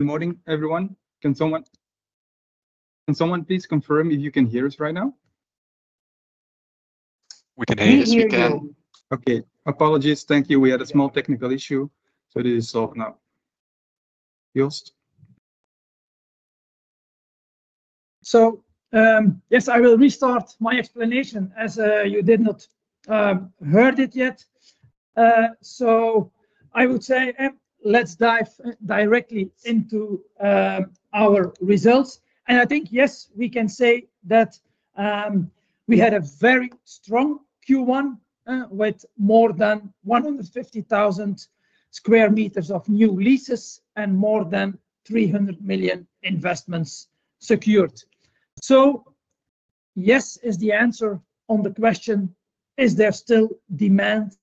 Good morning, everyone. Can someone please confirm if you can hear us right now? We can hear you. Yes, we can. Okay. Apologies. Thank you. We had a small technical issue, so this is solved now. Joost? Yes, I will restart my explanation as you did not hear it yet. I would say, let's dive directly into our results. I think, yes, we can say that we had a very strong Q1 with more than 150,000 sq m of new leases and more than 300 million investments secured. Yes, is the answer on the question, is there still demand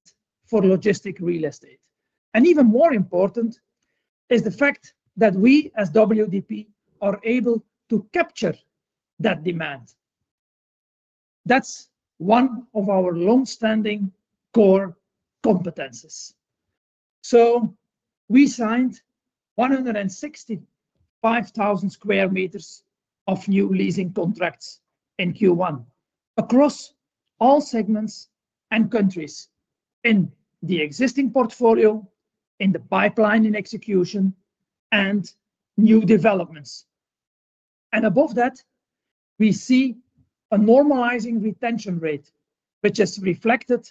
for logistics real estate? Even more important is the fact that we, as WDP, are able to capture that demand. That's one of our long-standing core competences. We signed 165,000 sq m of new leasing contracts in Q1 across all segments and countries in the existing portfolio, in the pipeline in execution, and new developments. Above that, we see a normalizing retention rate, which is reflected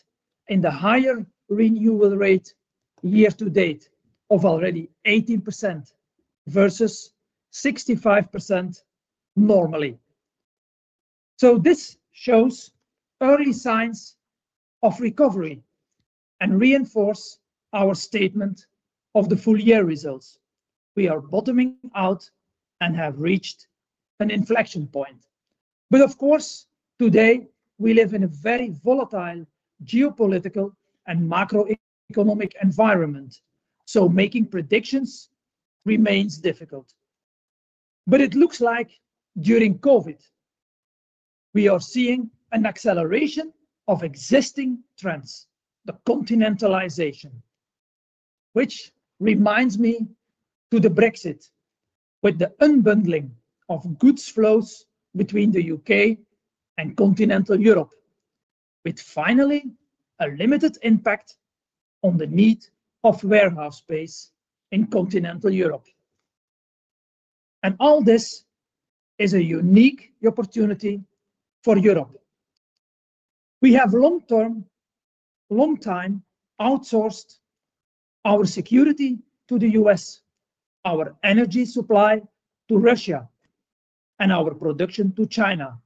in the higher renewal rate year to date of already 80% versus 65% normally. This shows early signs of recovery and reinforces our statement of the full year results. We are bottoming out and have reached an inflection point. Of course, today, we live in a very volatile geopolitical and macroeconomic environment, so making predictions remains difficult. It looks like during COVID, we are seeing an acceleration of existing trends, the continentalization, which reminds me of the Brexit with the unbundling of goods flows between the U.K. and continental Europe, with finally a limited impact on the need of warehouse space in continental Europe. All this is a unique opportunity for Europe. We have long-time outsourced our security to the U.S., our energy supply to Russia, and our production to China.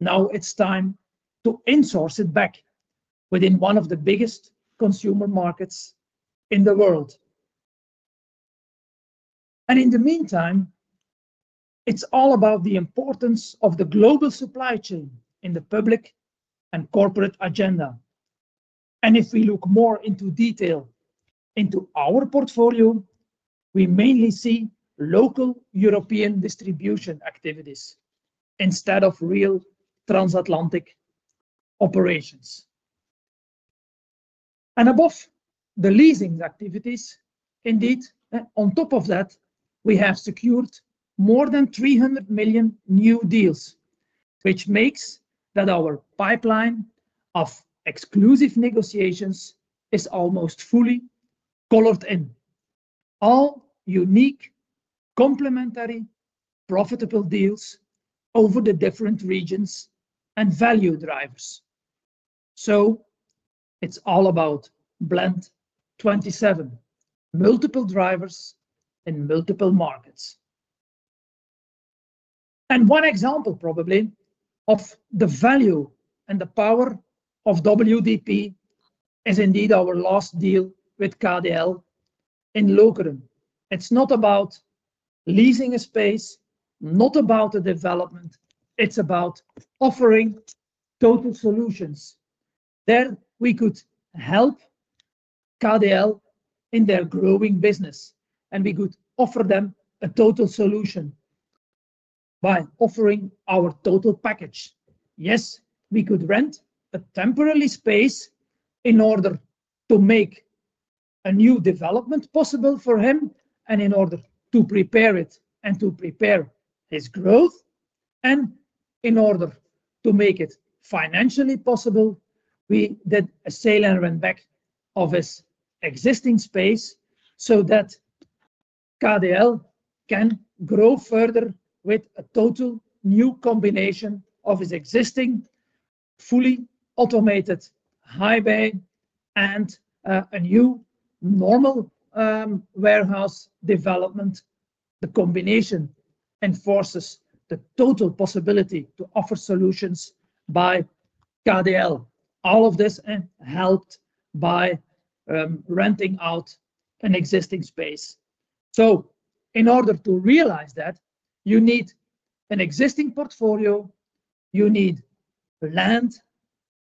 Now it's time to insource it back within one of the biggest consumer markets in the world. In the meantime, it's all about the importance of the global supply chain in the public and corporate agenda. If we look more into detail into our portfolio, we mainly see local European distribution activities instead of real transatlantic operations. Above the leasing activities, indeed, on top of that, we have secured more than 300 million new deals, which makes that our pipeline of exclusive negotiations is almost fully colored in. All unique, complementary, profitable deals over the different regions and value drivers. It's all about Blend 27, multiple drivers in multiple markets. One example probably of the value and the power of WDP is indeed our last deal with KDL in Lokeren. It's not about leasing a space, not about a development. It's about offering total solutions. There we could help KDL in their growing business, and we could offer them a total solution by offering our total package. Yes, we could rent a temporary space in order to make a new development possible for him in order to prepare it and to prepare his growth. In order to make it financially possible, we did a sale and leaseback of his existing space so that KDL can grow further with a total new combination of his existing fully automated high-bay and a new normal warehouse development. The combination enforces the total possibility to offer solutions by KDL. All of this helped by renting out an existing space. In order to realize that, you need an existing portfolio, you need land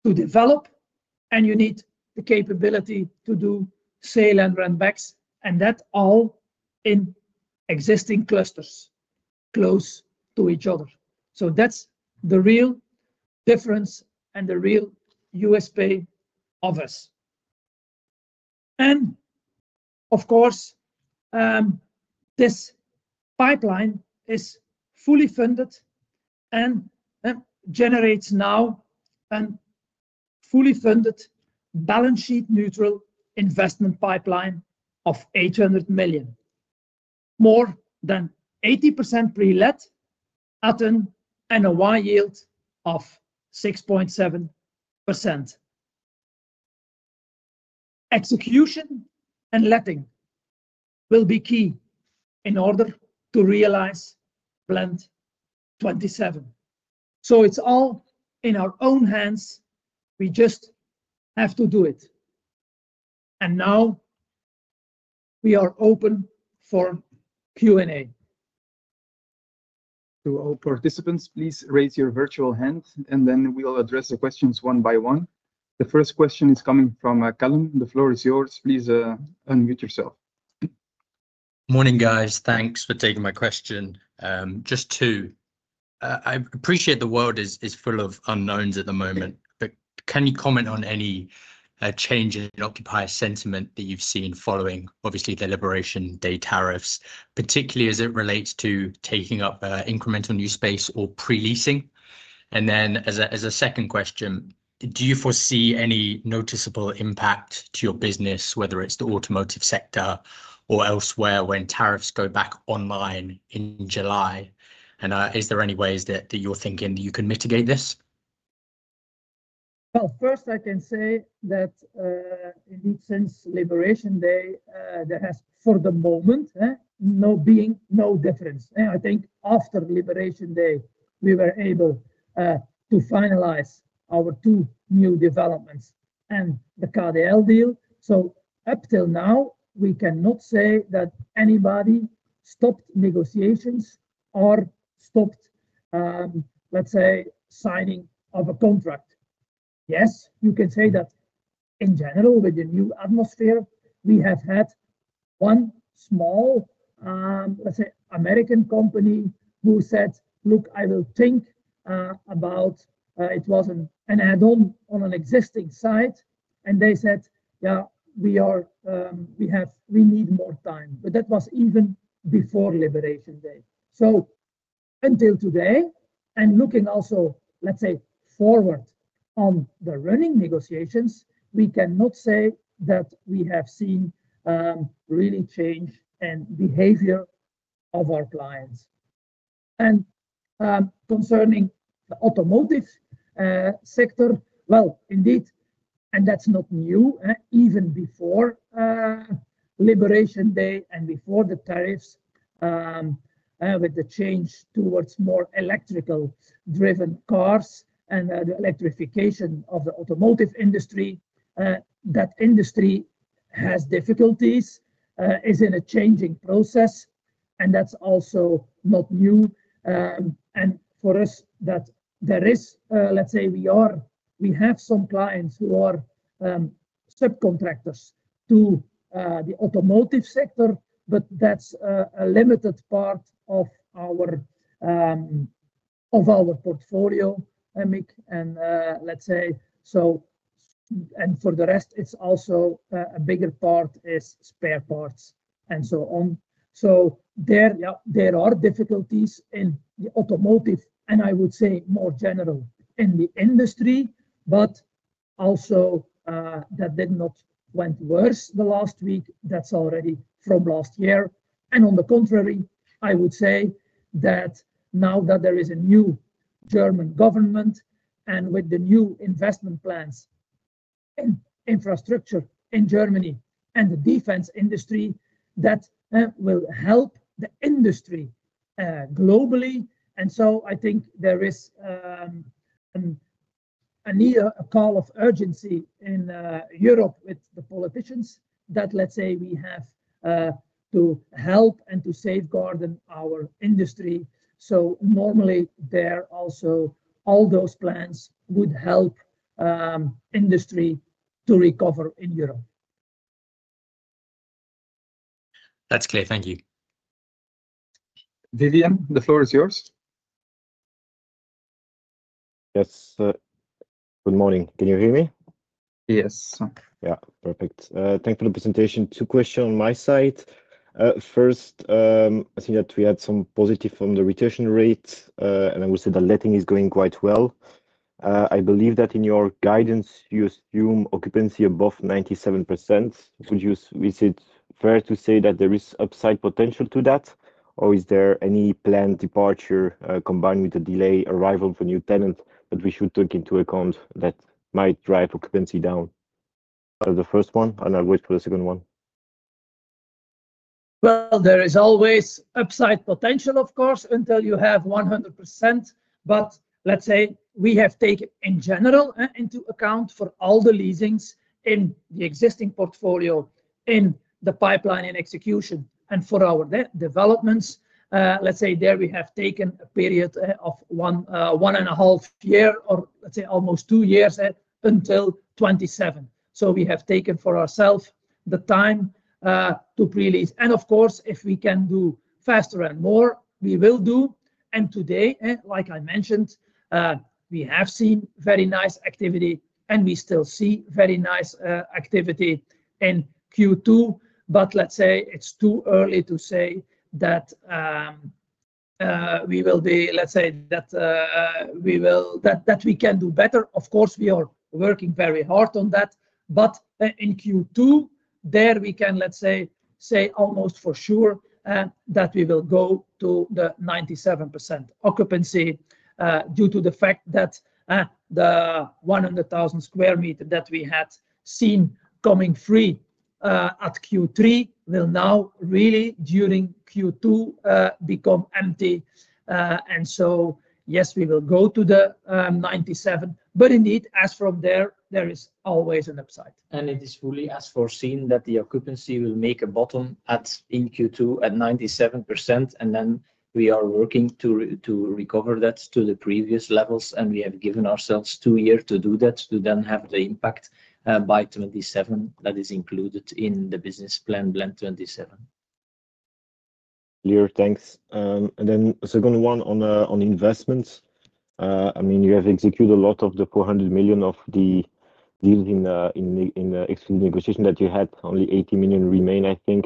to develop, and you need the capability to do sale and rent backs, and that all in existing clusters close to each other. That is the real difference and the real USP of us. Of course, this pipeline is fully funded and generates now a fully funded balance sheet neutral investment pipeline of 800 million, more than 80% pre-let at an NOI yield of 6.7%. Execution and letting will be key in order to realize Blend 27. It is all in our own hands. We just have to do it. Now we are open for Q&A. To all participants, please raise your virtual hand, and then we will address the questions one by one. The first question is coming from Callum. The floor is yours. Please unmute yourself. Morning, guys. Thanks for taking my question. Just two. I appreciate the world is full of unknowns at the moment, but can you comment on any change in occupier sentiment that you've seen following, obviously, the Liberation Day tariffs, particularly as it relates to taking up incremental new space or pre-leasing? As a second question, do you foresee any noticeable impact to your business, whether it's the automotive sector or elsewhere, when tariffs go back online in July? Is there any ways that you're thinking you can mitigate this? First, I can say that in each since Liberation Day, there has for the moment no difference. I think after Liberation Day, we were able to finalize our two new developments and the KDL deal. Up till now, we cannot say that anybody stopped negotiations or stopped, let's say, signing of a contract. Yes, you can say that in general with the new atmosphere, we have had one small, let's say, American company who said, "Look, I will think about it was an add-on on an existing site." They said, "Yeah, we need more time." That was even before Liberation Day. Until today, and looking also, let's say, forward on the running negotiations, we cannot say that we have seen really change in behavior of our clients. Concerning the automotive sector, indeed, and that's not new, even before Liberation Day and before the tariffs with the change towards more electrical-driven cars and the electrification of the automotive industry, that industry has difficulties, is in a changing process, and that's also not new. For us, there is, let's say, we have some clients who are subcontractors to the automotive sector, but that's a limited part of our portfolio, Mick, and let's say, for the rest, it's also a bigger part is spare parts and so on. There are difficulties in the automotive, and I would say more general in the industry, but also that did not went worse the last week. That's already from last year. On the contrary, I would say that now that there is a new German government and with the new investment plans in infrastructure in Germany and the defense industry, that will help the industry globally. I think there is a call of urgency in Europe with the politicians that, let's say, we have to help and to safeguard our industry. Normally, all those plans would help industry to recover in Europe. That's clear. Thank you. Vivien, the floor is yours. Yes. Good morning. Can you hear me? Yes. Yeah. Perfect. Thanks for the presentation. Two questions on my side. First, I think that we had some positive on the retention rate, and I would say the letting is going quite well. I believe that in your guidance, you assume occupancy above 97%. Would you see it fair to say that there is upside potential to that, or is there any planned departure combined with the delay arrival for new tenants that we should take into account that might drive occupancy down? That's the first one, and I'll wait for the second one. There is always upside potential, of course, until you have 100%. Let's say we have taken in general into account for all the leasings in the existing portfolio, in the pipeline in execution, and for our developments, let's say there we have taken a period of one and a half years or almost two years until 2027. We have taken for ourselves the time to pre-lease. Of course, if we can do faster and more, we will do. Today, like I mentioned, we have seen very nice activity, and we still see very nice activity in Q2. Let's say it's too early to say that we will, that we can do better. Of course, we are working very hard on that. In Q2, we can, let's say, say almost for sure that we will go to the 97% occupancy due to the fact that the 100,000 sq m that we had seen coming free at Q3 will now really during Q2 become empty. Yes, we will go to the 97%. Indeed, as from there, there is always an upside. It is fully as foreseen that the occupancy will make a bottom in Q2 at 97%, and we are working to recover that to the previous levels. We have given ourselves two years to do that to then have the impact by 2027 that is included in the business plan, blend 2027. Clear. Thanks. The second one on investments. I mean, you have executed a lot of the 400 million of the deals in exclusive negotiation that you had, only 80 million remain, I think.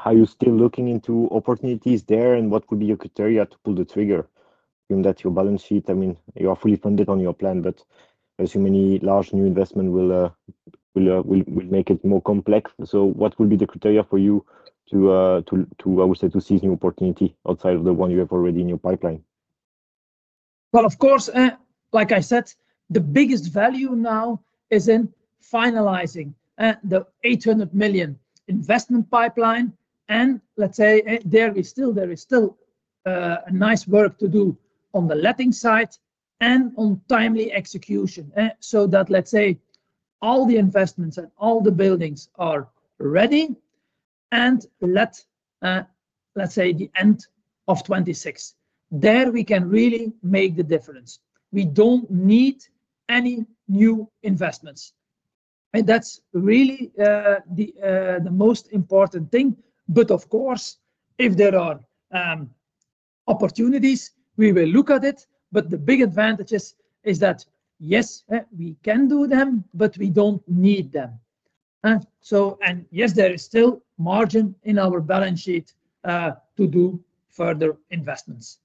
Are you still looking into opportunities there, and what would be your criteria to pull the trigger? Given that your balance sheet, I mean, you are fully funded on your plan, but as you know, many large new investments will make it more complex. What would be the criteria for you to, I would say, to seize new opportunity outside of the one you have already in your pipeline? Like I said, the biggest value now is in finalizing the 800 million investment pipeline. Let's say there is still nice work to do on the letting side and on timely execution so that, let's say, all the investments and all the buildings are ready and let, let's say, the end of 2026. There we can really make the difference. We do not need any new investments. That is really the most important thing. Of course, if there are opportunities, we will look at it. The big advantage is that yes, we can do them, but we do not need them. Yes, there is still margin in our balance sheet to do further investments.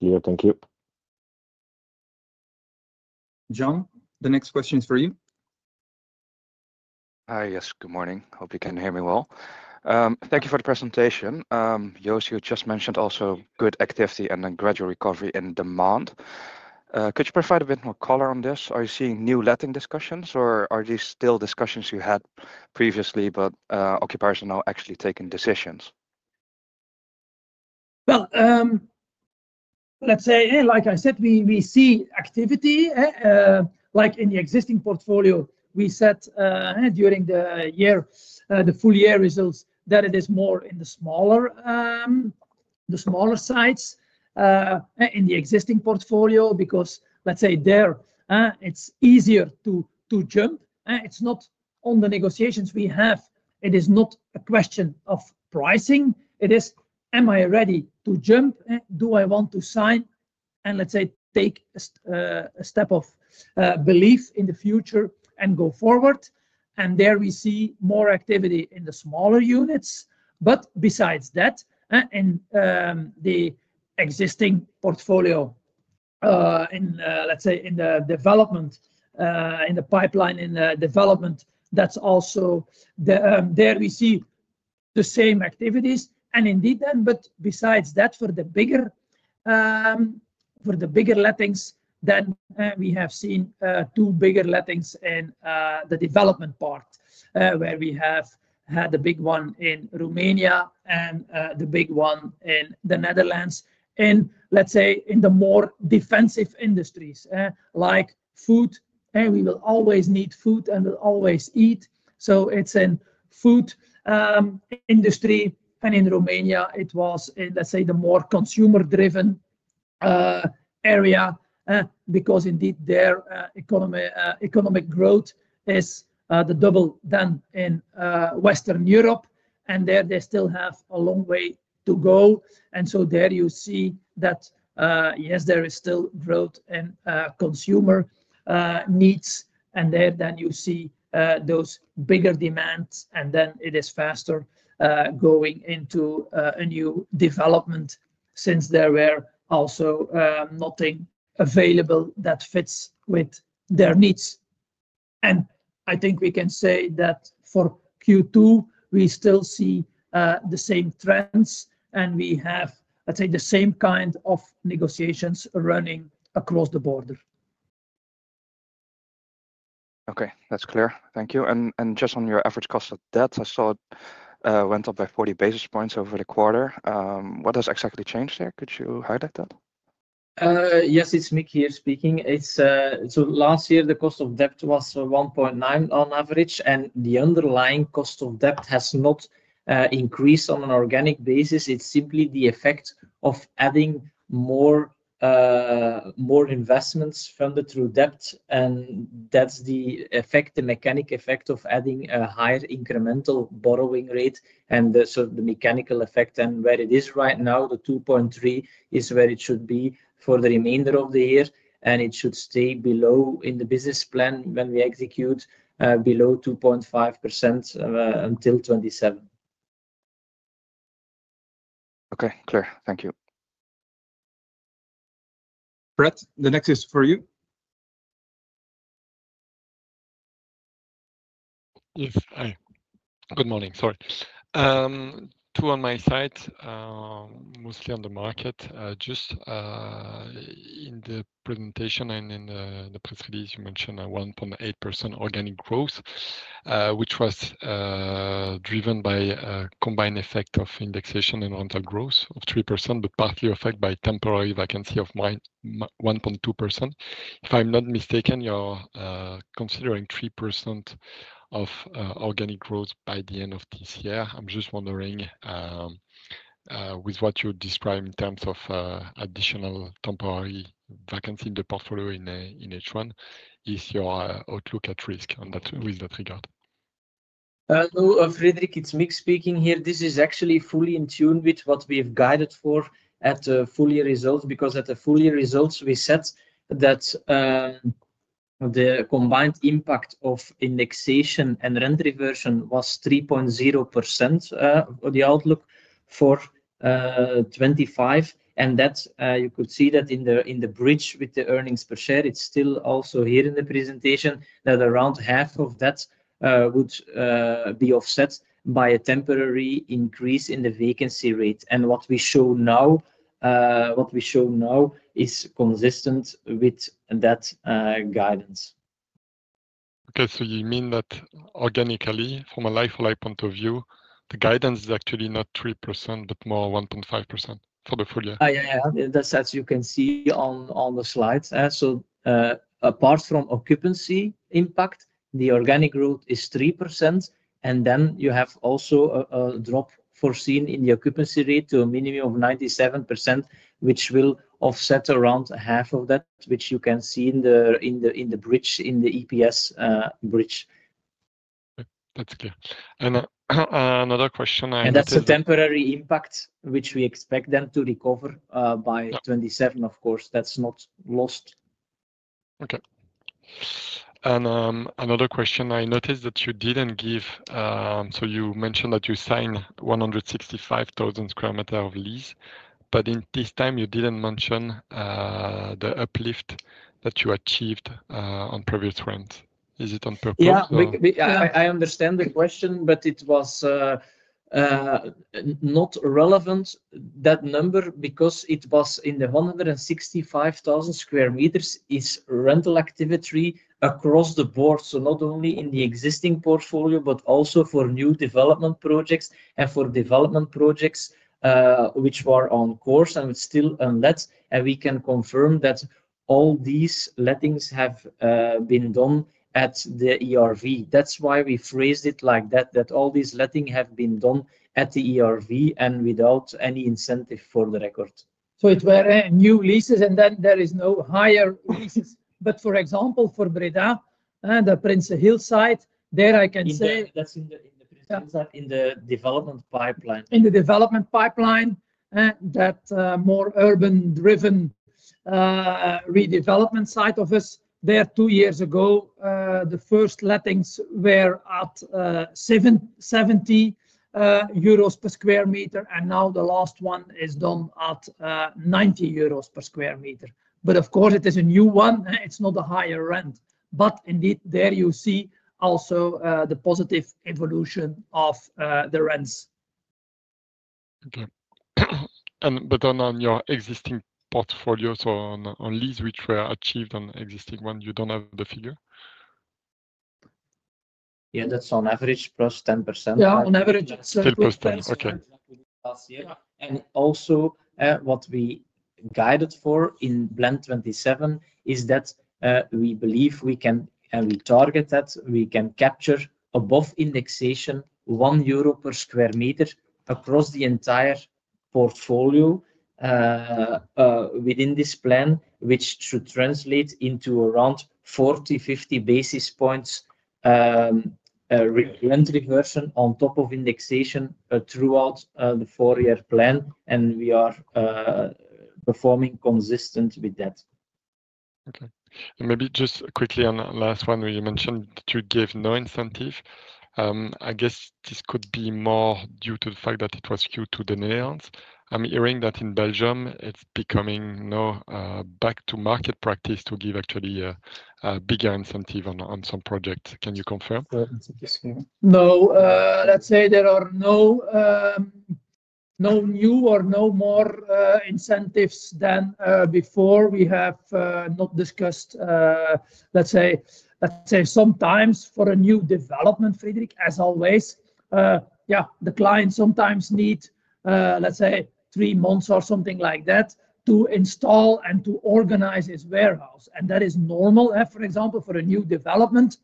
Clear. Thank you. John, the next question is for you. Hi. Yes. Good morning. Hope you can hear me well. Thank you for the presentation. Joost, you just mentioned also good activity and then gradual recovery in demand. Could you provide a bit more color on this? Are you seeing new letting discussions, or are these still discussions you had previously, but occupiers are now actually taking decisions? Like I said, we see activity like in the existing portfolio. We said during the year, the full year results that it is more in the smaller sites in the existing portfolio because, like I said, there it's easier to jump. It's not on the negotiations we have. It is not a question of pricing. It is, am I ready to jump? Do I want to sign and, like I said, take a step of belief in the future and go forward? There we see more activity in the smaller units. Besides that, in the existing portfolio, in the development, in the pipeline, in the development, that's also where we see the same activities. Indeed, besides that, for the bigger lettings, we have seen two bigger lettings in the development part where we have had the big one in Romania and the big one in the Netherlands. In the more defensive industries like food, we will always need food and will always eat, so it is in the food industry. In Romania, it was in the more consumer-driven area because their economic growth is double that in Western Europe. They still have a long way to go. There you see that, yes, there is still growth in consumer needs. There you see those bigger demands, and it is faster going into a new development since there was also nothing available that fits with their needs. I think we can say that for Q2, we still see the same trends, and we have, let's say, the same kind of negotiations running across the border. Okay. That's clear. Thank you. Just on your average cost of debt, I saw it went up by 40 basis points over the quarter. What has exactly changed there? Could you highlight that? Yes, it's Mick here speaking. Last year, the cost of debt was 1.9 on average, and the underlying cost of debt has not increased on an organic basis. It's simply the effect of adding more investments funded through debt. That's the effect, the mechanic effect of adding a higher incremental borrowing rate. The mechanical effect and where it is right now, the 2.3 is where it should be for the remainder of the year, and it should stay below in the business plan when we execute below 2.5% until 2027. Okay. Clear. Thank you. Frederic, the next is for you. Yes. Good morning. Sorry. Two on my side, mostly on the market. Just in the presentation and in the press release, you mentioned a 1.8% organic growth, which was driven by a combined effect of indexation and rental growth of 3%, but partly affected by temporary vacancy of 1.2%. If I'm not mistaken, you're considering 3% of organic growth by the end of this year. I'm just wondering with what you describe in terms of additional temporary vacancy in the portfolio in H1, is your outlook at risk with that regard? No, Frederic, it's Mick speaking here. This is actually fully in tune with what we have guided for at the full year results because at the full year results, we said that the combined impact of indexation and rent reversion was 3.0% of the outlook for 2025. You could see that in the bridge with the earnings per share, it's still also here in the presentation that around half of that would be offset by a temporary increase in the vacancy rate. What we show now, what we show now is consistent with that guidance. Okay. So you mean that organically from a like-for-like point of view, the guidance is actually not 3%, but more 1.5% for the full year? Yeah. As you can see on the slides. Apart from occupancy impact, the organic growth is 3%. You have also a drop foreseen in the occupancy rate to a minimum of 97%, which will offset around half of that, which you can see in the bridge, in the EPS bridge. That's clear. Another question. That is a temporary impact, which we expect then to recover by 2027, of course. That is not lost. Okay. Another question. I noticed that you did not give, so you mentioned that you signed 165,000 sq m of lease, but this time, you did not mention the uplift that you achieved on previous rents. Is it on purpose? Yeah. I understand the question, but it was not relevant, that number, because it was in the 165,000 sq m is rental activity across the board. Not only in the existing portfolio, but also for new development projects and for development projects which were on course and still unlet. We can confirm that all these lettings have been done at the ERV. That is why we phrased it like that, that all these lettings have been done at the ERV and without any incentive for the record. It were new leases, and then there is no higher leases. For example, for Breda, the Prinsenhil site, there I can say. That's in the Prinsenhil site, in the development pipeline. In the development pipeline, that more urban-driven redevelopment site of us, there two years ago, the first lettings were at 70 euros per sq m, and now the last one is done at 90 euros per sq m. Of course, it is a new one. It is not a higher rent. Indeed, there you see also the positive evolution of the rents. Okay. On your existing portfolio, so on lease which were achieved on existing one, you don't have the figure? Yeah. That's on average plus 10%. Yeah. On average, it's 10%. 10%. Okay. What we guided for in Blend 27 is that we believe we can, and we target that we can capture above indexation 1 euro per sq m across the entire portfolio within this plan, which should translate into around 40-50 basis points rent reversion on top of indexation throughout the four-year plan. We are performing consistent with that. Okay. Maybe just quickly on the last one where you mentioned that you gave no incentive. I guess this could be more due to the fact that it was due to the new ones. I'm hearing that in Belgium, it's becoming now back to market practice to give actually a bigger incentive on some projects. Can you confirm? No. Let's say there are no new or no more incentives than before. We have not discussed, let's say, sometimes for a new development, Frederic, as always, yeah, the client sometimes needs, let's say, three months or something like that to install and to organize his warehouse. That is normal, for example, for a new development,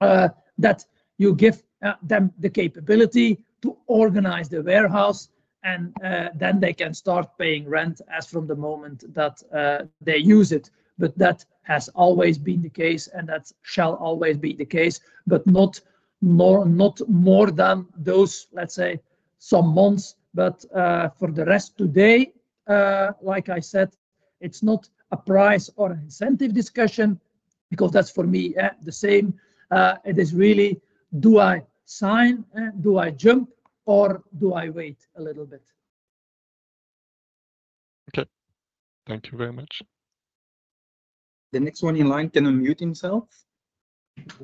that you give them the capability to organize the warehouse, and then they can start paying rent as from the moment that they use it. That has always been the case, and that shall always be the case, but not more than those, let's say, some months. For the rest today, like I said, it's not a price or an incentive discussion because that's for me the same. It is really, do I sign, do I jump, or do I wait a little bit? Okay. Thank you very much. The next one in line, can unmute himself?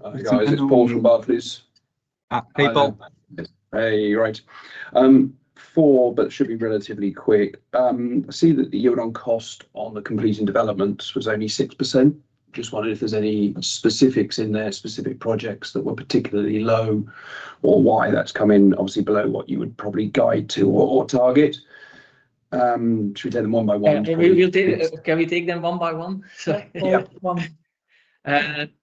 Hi, guys. It's Paul from Barclays. Hey, Paul. Hey. Right. Four, but it should be relatively quick. I see that the yield on cost on the completed development was only 6%. Just wondering if there's any specifics in there, specific projects that were particularly low or why that's come in, obviously, below what you would probably guide to or target. Should we take them one by one? Can we take them one by one? Yeah.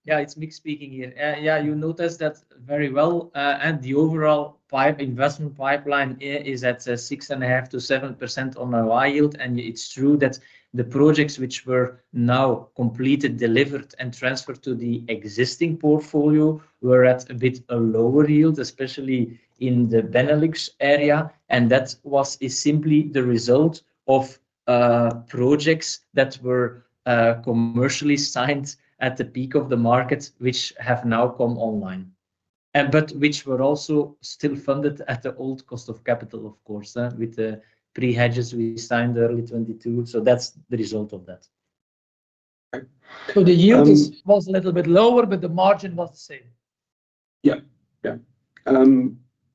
Yeah. It's Mick speaking here. Yeah. You notice that very well. The overall investment pipeline is at 6.5%-7% on the high yield. It's true that the projects which were now completed, delivered, and transferred to the existing portfolio were at a bit lower yield, especially in the Benelux area. That was simply the result of projects that were commercially signed at the peak of the market, which have now come online, but which were also still funded at the old cost of capital, of course, with the pre-hedges we signed early 2022. That's the result of that. Okay. The yield was a little bit lower, but the margin was the same. Yeah. Yeah.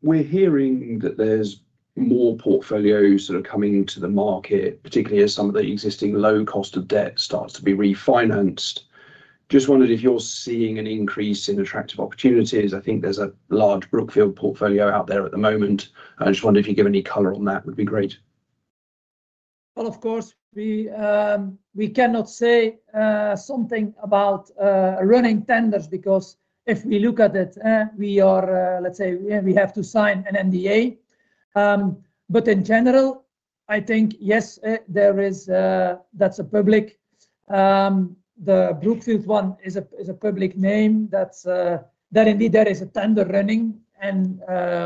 We're hearing that there's more portfolios that are coming to the market, particularly as some of the existing low cost of debt starts to be refinanced. Just wondered if you're seeing an increase in attractive opportunities. I think there's a large Brookfield portfolio out there at the moment. I just wondered if you give any color on that would be great. Of course, we cannot say something about running tenders because if we look at it, we are, let's say, we have to sign an NDA. In general, I think, yes, there is, that's a public. The Brookfield one is a public name. That indeed, there is a tender running, and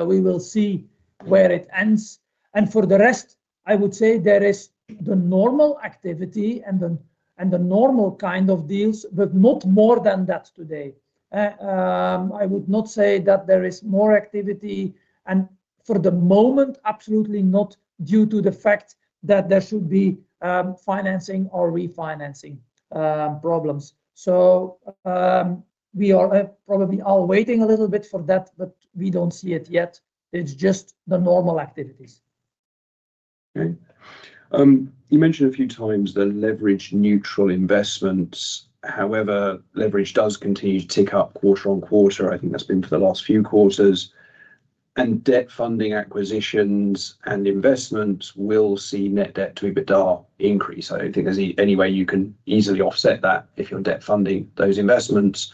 we will see where it ends. For the rest, I would say there is the normal activity and the normal kind of deals, but not more than that today. I would not say that there is more activity. For the moment, absolutely not due to the fact that there should be financing or refinancing problems. We are probably all waiting a little bit for that, but we don't see it yet. It's just the normal activities. Okay. You mentioned a few times the leverage neutral investments. However, leverage does continue to tick up quarter on quarter. I think that's been for the last few quarters. Debt funding acquisitions and investments will see net debt to EBITDA increase. I don't think there's any way you can easily offset that if you're debt funding those investments.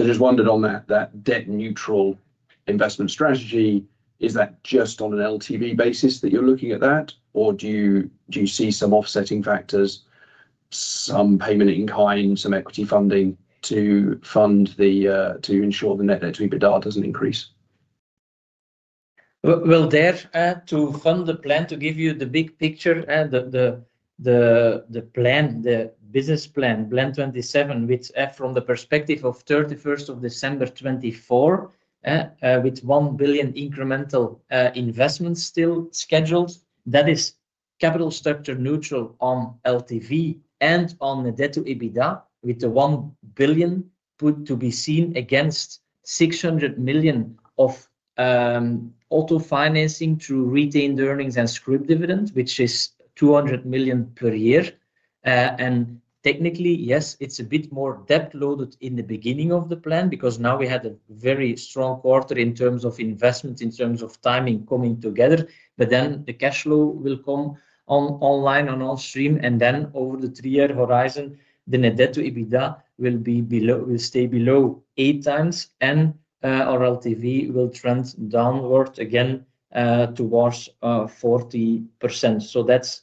I just wondered on that debt neutral investment strategy, is that just on an LTV basis that you're looking at that, or do you see some offsetting factors, some payment in kind, some equity funding to ensure the net debt to EBITDA doesn't increase? To fund the plan, to give you the big picture, the business plan, Blend 27, which from the perspective of December 31, 2024, with 1 billion incremental investments still scheduled, that is capital structure neutral on LTV and on the net debt to EBITDA, with the 1 billion put to be seen against 600 million of auto financing through retained earnings and scrip dividend, which is 200 million per year. Technically, yes, it is a bit more debt loaded in the beginning of the plan because now we had a very strong quarter in terms of investment, in terms of timing coming together. The cash flow will come online, on stream. Over the three-year horizon, the net debt to EBITDA will stay below eight times, and our LTV will trend downward again towards 40%. That is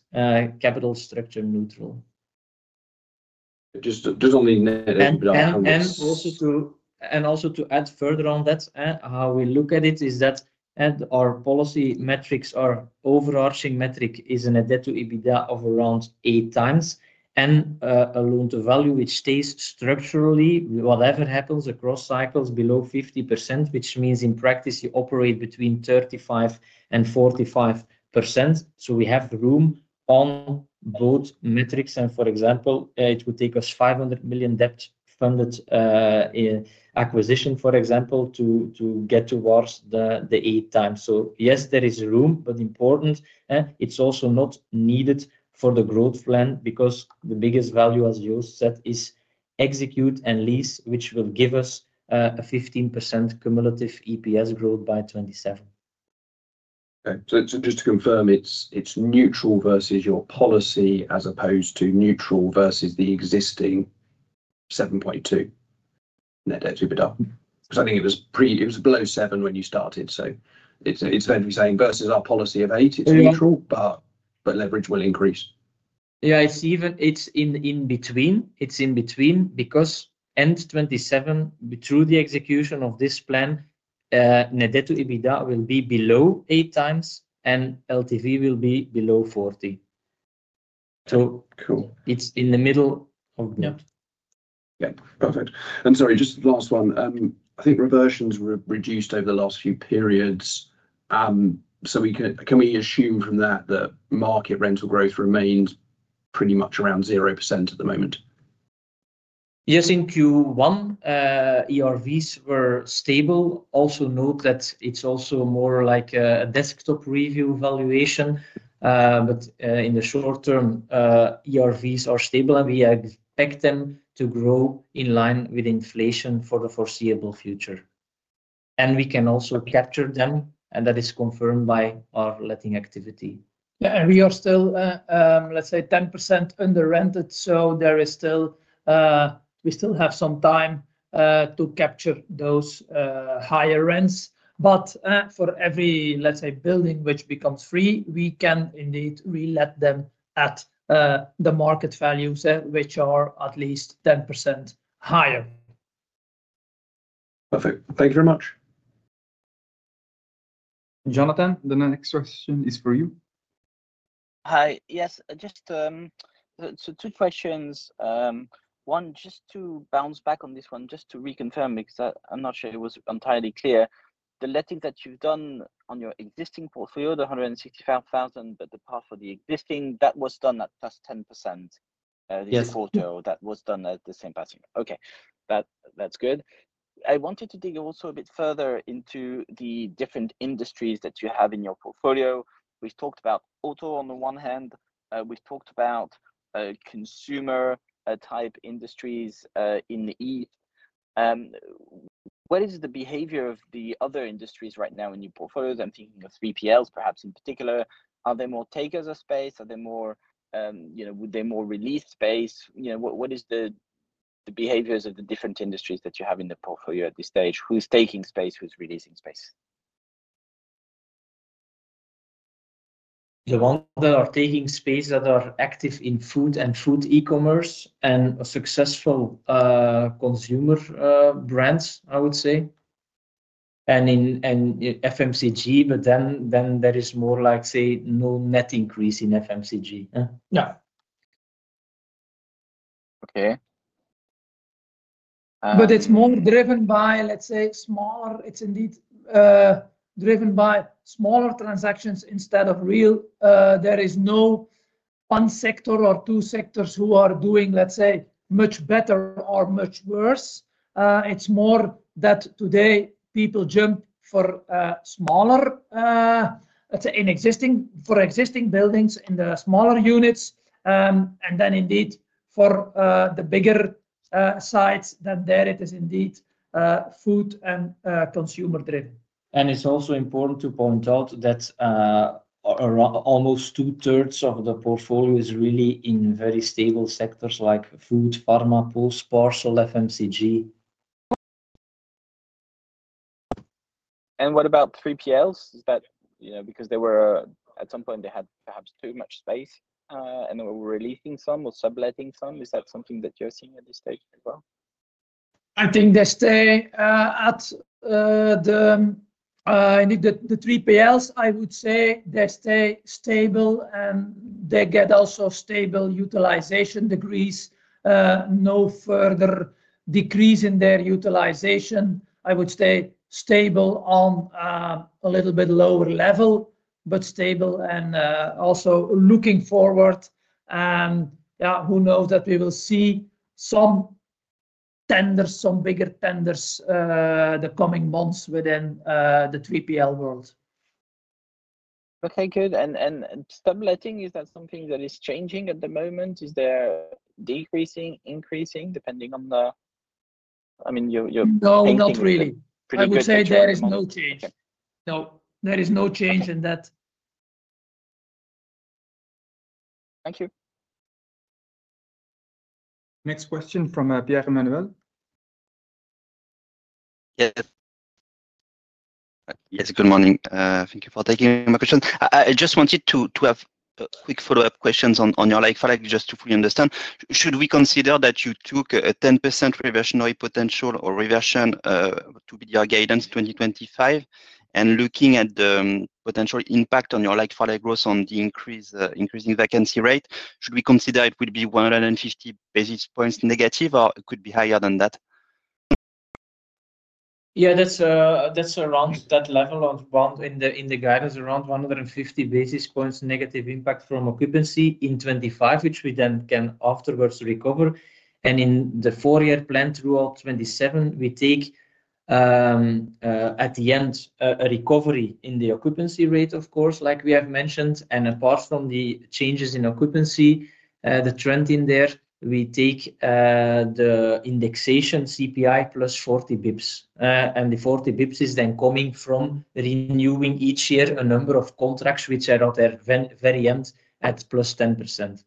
capital structure neutral. Just on the net debt to EBITDA. To add further on that, how we look at it is that our policy metrics, our overarching metric is a net debt to EBITDA of around eight times. A loan to value, which stays structurally, whatever happens across cycles, below 50%, which means in practice you operate between 35-45%. We have room on both metrics. For example, it would take us 500 million debt funded acquisition, for example, to get towards the eight times. Yes, there is room, but important, it's also not needed for the growth plan because the biggest value, as you said, is execute and lease, which will give us a 15% cumulative EPS growth by 2027. Okay. Just to confirm, it's neutral versus your policy as opposed to neutral versus the existing 7.2 net debt to EBITDA because I think it was below seven when you started. It's fairly saying versus our policy of eight, it's neutral, but leverage will increase. Yeah. It's in between. It's in between because end 2027, through the execution of this plan, net debt to EBITDA will be below eight times, and LTV will be below 40. It's in the middle of that. Yeah. Perfect. Sorry, just last one. I think reversions were reduced over the last few periods. Can we assume from that that market rental growth remains pretty much around 0% at the moment? Yes. In Q1, ERVs were stable. Also note that it is also more like a desktop review valuation. In the short term, ERVs are stable, and we expect them to grow in line with inflation for the foreseeable future. We can also capture them, and that is confirmed by our letting activity. Yeah. We are still, let's say, 10% under-rented. We still have some time to capture those higher rents. For every, let's say, building which becomes free, we can indeed relet them at the market values, which are at least 10% higher. Perfect. Thank you very much. Jonathan, the next question is for you. Hi. Yes. Just two questions. One, just to bounce back on this one, just to reconfirm because I'm not sure it was entirely clear. The letting that you've done on your existing portfolio, the 165,000, but the part for the existing, that was done at plus 10%. The quarter, that was done at the same pricing. Okay. That's good. I wanted to dig also a bit further into the different industries that you have in your portfolio. We've talked about auto on the one hand. We've talked about consumer-type industries in the EU. What is the behavior of the other industries right now in your portfolio? I'm thinking of 3PLs, perhaps in particular. Are they more takers of space? Are they more, would they more release space? What is the behaviors of the different industries that you have in the portfolio at this stage? Who's taking space? Who's releasing space? The ones that are taking space that are active in food and food e-commerce and successful consumer brands, I would say. FMCG, but then there is more like, say, no net increase in FMCG. Yeah. Okay. It is more driven by, let's say, it is indeed driven by smaller transactions instead of real. There is no one sector or two sectors who are doing, let's say, much better or much worse. It is more that today people jump for smaller, let's say, for existing buildings in the smaller units. Indeed, for the bigger sites, it is food and consumer-driven. It is also important to point out that almost two-thirds of the portfolio is really in very stable sectors like food, pharma, post-parcel, FMCG. What about 3PLs? Because at some point, they had perhaps too much space, and they were releasing some or subletting some. Is that something that you're seeing at this stage as well? I think they stay at the, I think the 3PLs, I would say they stay stable, and they get also stable utilization degrees. No further decrease in their utilization. I would stay stable on a little bit lower level, but stable and also looking forward. Yeah, who knows that we will see some tenders, some bigger tenders the coming months within the 3PL world. Okay. Good. Subletting, is that something that is changing at the moment? Is there decreasing, increasing, depending on the, I mean, you're thinking pretty good. No, not really. I would say there is no change. No, there is no change in that. Thank you. Next question from Pierre-Emmanuel. Yes. Yes. Good morning. Thank you for taking my question. I just wanted to have quick follow-up questions on your life cycle, just to fully understand. Should we consider that you took a 10% reversionary potential or reversion to be your guidance 2025? And looking at the potential impact on your life cycle growth on the increasing vacancy rate, should we consider it would be 150 basis points negative or it could be higher than that? Yeah. That's around that level of one in the guidance, around 150 basis points negative impact from occupancy in 2025, which we then can afterwards recover. In the four-year plan throughout 2027, we take at the end a recovery in the occupancy rate, of course, like we have mentioned. Apart from the changes in occupancy, the trend in there, we take the indexation CPI plus 40 basis points. The 40 basis points is then coming from renewing each year a number of contracts which are at their very end at plus 10%.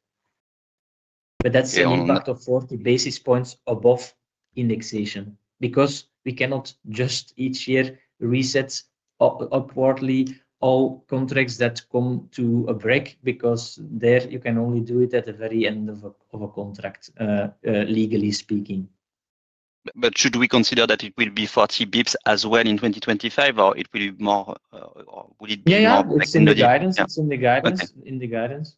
That's the impact of 40 basis points above indexation because we cannot just each year reset upwardly all contracts that come to a break because there you can only do it at the very end of a contract, legally speaking. Should we consider that it will be 40 basis points as well in 2025, or will it be more? Or would it be more? Yeah. It's in the guidance. It's in the guidance. In the guidance.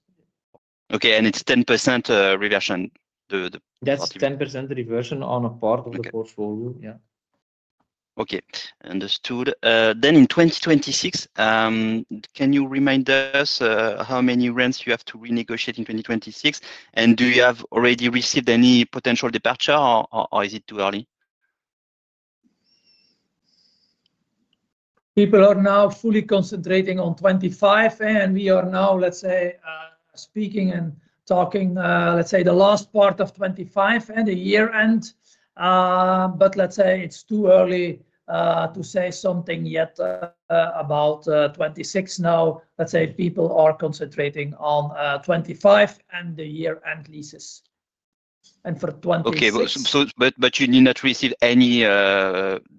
Okay. It's 10% reversion. That's 10% reversion on a part of the portfolio. Yeah. Okay. Understood. In 2026, can you remind us how many rents you have to renegotiate in 2026? Do you have already received any potential departure, or is it too early? People are now fully concentrating on 2025, and we are now, let's say, speaking and talking, let's say, the last part of 2025 and the year end. Let's say it's too early to say something yet about 2026. Now, let's say people are concentrating on 2025 and the year-end leases. And for 2026. Okay. You did not receive any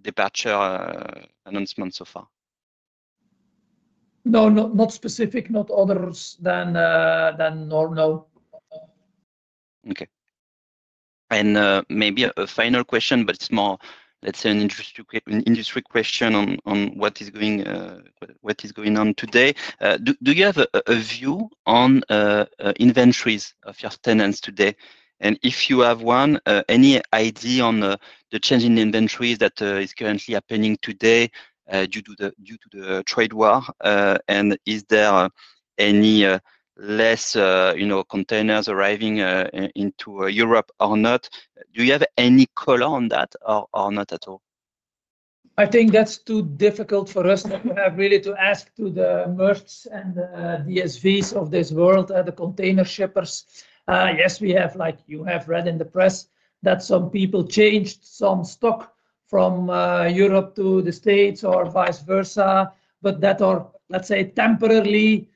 departure announcement so far? No, not specific, not others than normal. Okay. Maybe a final question, but it's more, let's say, an industry question on what is going on today. Do you have a view on inventories of your tenants today? If you have one, any idea on the changing inventories that is currently happening today due to the trade war? Is there any less containers arriving into Europe or not? Do you have any color on that or not at all? I think that's too difficult for us to have really to ask to the merchants and the DSVs of this world, the container shippers. Yes, we have, like you have read in the press, that some people changed some stock from Europe to the States or vice versa, but that are, let's say, temporary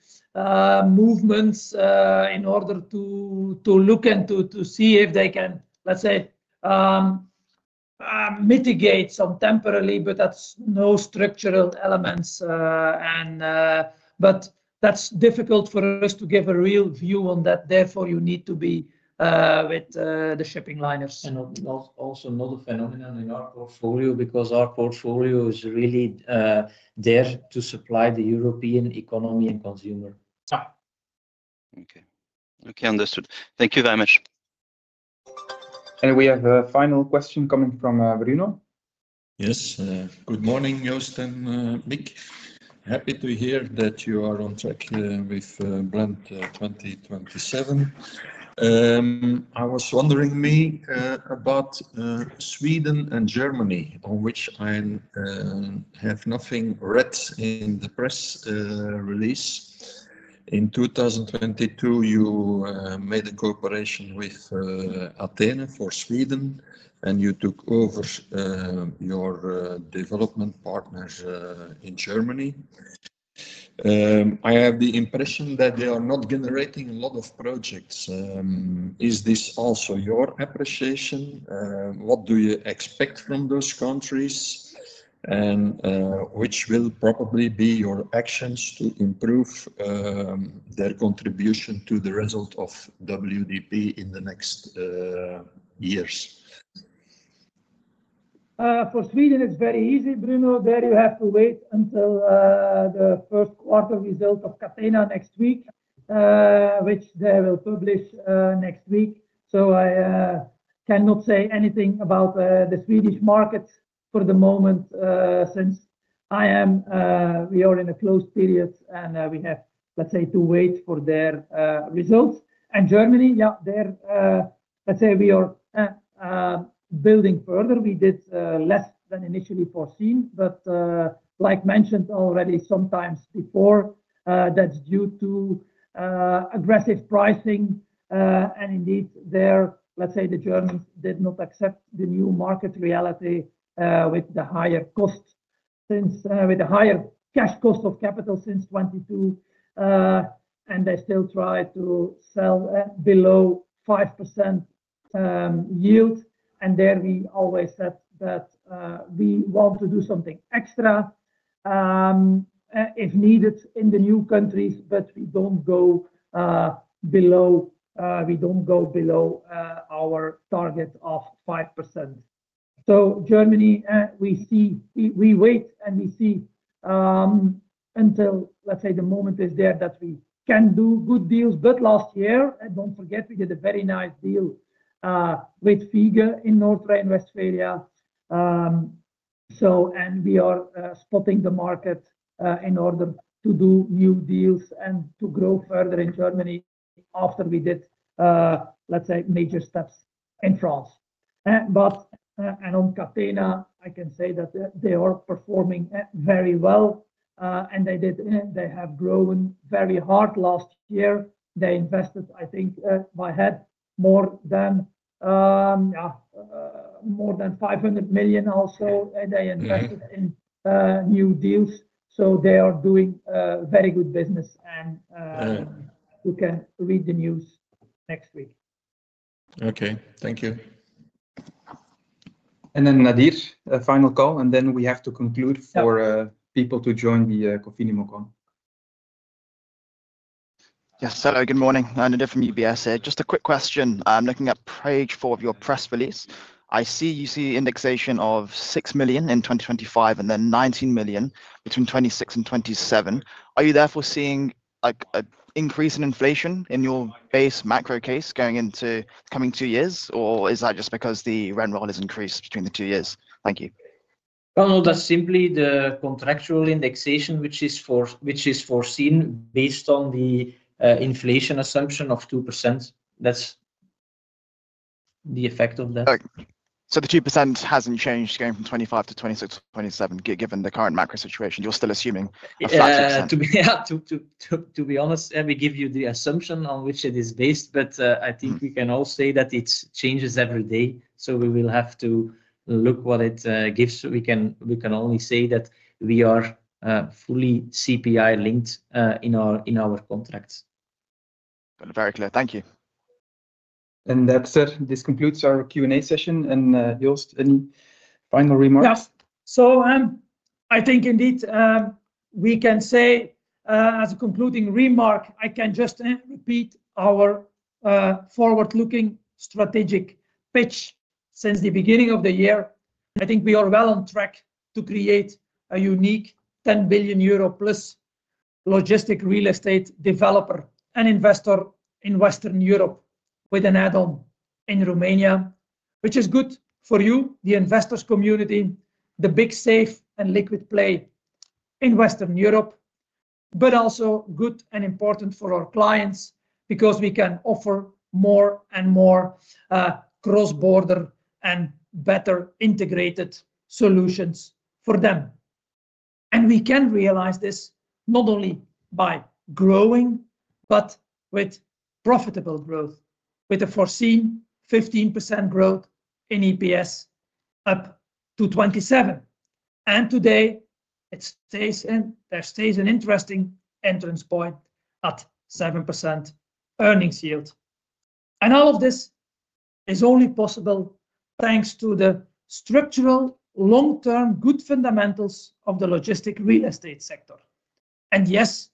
movements in order to look and to see if they can, let's say, mitigate some temporarily, but that's no structural elements. That's difficult for us to give a real view on that. Therefore, you need to be with the shipping liners. Also, not a phenomenon in our portfolio because our portfolio is really there to supply the European economy and consumer. Okay. Okay. Understood. Thank you very much. We have a final question coming from Bruno. Yes. Good morning, Joost and Mick. Happy to hear that you are on track with Blend 2027. I was wondering about Sweden and Germany, on which I have nothing read in the press release. In 2022, you made a cooperation with Catena for Sweden, and you took over your development partners in Germany. I have the impression that they are not generating a lot of projects. Is this also your appreciation? What do you expect from those countries, and which will probably be your actions to improve their contribution to the result of WDP in the next years? For Sweden, it's very easy, Bruno. There you have to wait until the first quarter result of Catena next week, which they will publish next week. I cannot say anything about the Swedish market for the moment since I am, we are in a closed period, and we have, let's say, to wait for their results. Germany, yeah, let's say, we are building further. We did less than initially foreseen, but like mentioned already sometimes before, that's due to aggressive pricing. Indeed, let's say, the Germans did not accept the new market reality with the higher cost, with the higher cash cost of capital since 2022. They still try to sell below 5% yield. There we always said that we want to do something extra if needed in the new countries, but we do not go below our target of 5%. Germany, we wait, and we see until, let's say, the moment is there that we can do good deals. Last year, do not forget, we did a very nice deal with Fiege in North Rhine-Westphalia. We are spotting the market in order to do new deals and to grow further in Germany after we did, let's say, major steps in France. On Catena, I can say that they are performing very well. They have grown very hard last year. They invested, I think, by head more than 500 million also. They invested in new deals. They are doing very good business. You can read the news next week. Okay. Thank you. Nadir, a final call, and then we have to conclude for people to join the Cofinimmo call. Yes. Hello. Good morning. Nadir from UBS. Just a quick question. I'm looking at page four of your press release. I see you see indexation of 6 million in 2025 and then 19 million between 2026 and 2027. Are you therefore seeing an increase in inflation in your base macro case going into coming two years, or is that just because the rent roll has increased between the two years? Thank you. No, no. That's simply the contractual indexation, which is foreseen based on the inflation assumption of 2%. That's the effect of that. The 2% has not changed going from 2025 to 2026 to 2027, given the current macro situation. You are still assuming a flat 2%. Yeah. To be honest, we give you the assumption on which it is based, but I think we can all say that it changes every day. We will have to look what it gives. We can only say that we are fully CPI-linked in our contracts. Very clear. Thank you. That, sir, concludes our Q&A session. Joost, any final remarks? Yes. I think indeed we can say as a concluding remark, I can just repeat our forward-looking strategic pitch since the beginning of the year. I think we are well on track to create a unique 10 billion euro plus logistics real estate developer and investor in Western Europe with an add-on in Romania, which is good for you, the investors' community, the big safe and liquid play in Western Europe, but also good and important for our clients because we can offer more and more cross-border and better integrated solutions for them. We can realize this not only by growing, but with profitable growth, with a foreseen 15% growth in EPS up to 2027. Today, there stays an interesting entrance point at 7% earnings yield. All of this is only possible thanks to the structural long-term good fundamentals of the logistics real estate sector. Yes,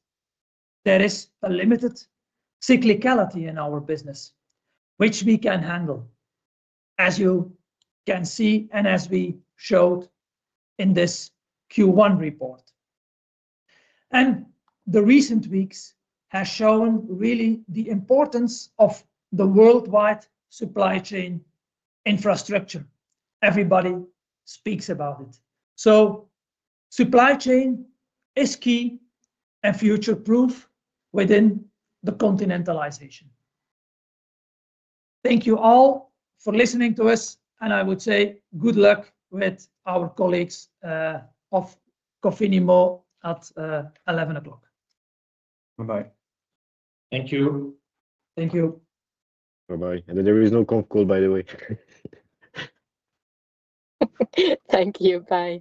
there is a limited cyclicality in our business, which we can handle, as you can see and as we showed in this Q1 report. The recent weeks have shown really the importance of the worldwide supply chain infrastructure. Everybody speaks about it. Supply chain is key and future-proof within the continentalization. Thank you all for listening to us, and I would say good luck with our colleagues of Cofinimmo at 11:00 A.M. Bye-bye. Thank you. Thank you. Bye-bye. There is no conf call, by the way. Thank you. Bye.